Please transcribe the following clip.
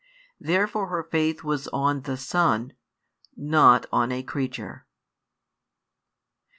Therefore her faith was on the Son, not on a creature.